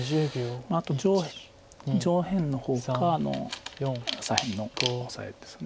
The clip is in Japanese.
あと上辺の方か左辺のオサエです。